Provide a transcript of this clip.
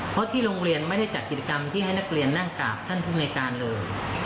เพราะที่โรงเรียนไม่ได้จัดกิจกรรมที่ให้นักเรียนนั่งกราบท่านภูมิในการเลย